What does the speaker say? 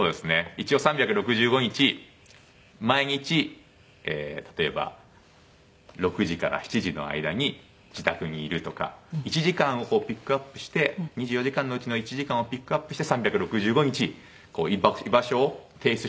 一応３６５日毎日例えば６時から７時の間に自宅にいるとか１時間をピックアップして２４時間のうちの１時間をピックアップして３６５日居場所を提出しなきゃいけないんですね。